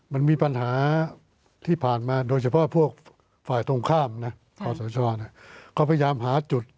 มันมีปัญหาที่ผ่านมาโดยเฉพาะพวกฝ่ายตรงข้ามนะ